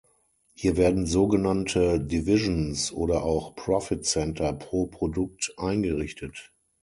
Hier werden sogenannte "Divisions" oder auch "Profit Center" pro Produkt eingerichtet.